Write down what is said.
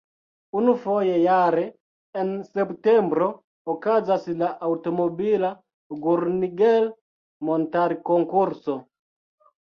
Unu foje jare en septembro okazas la aŭtomobila Gurnigel-Montarkonkurso.